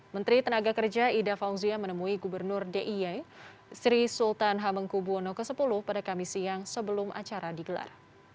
menteri tenaga kerja ida fauzia menemui gubernur dia sri sultan hamengku buwono x pada kamis siang sebelum acara digelar